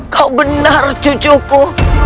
kau benar cucu ku